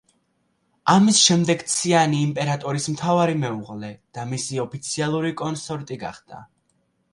ამის შემდეგ ციანი იმპერატორის მთავარი მეუღლე და მისი ოფიციალური კონსორტი გახდა.